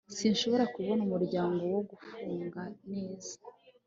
sinshobora kubona umuryango wo gufunga neza